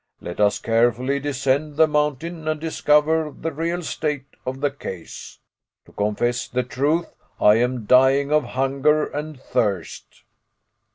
Let us carefully descend the mountain and discover the real state of the case. To confess the truth, I am dying of hunger and thirst."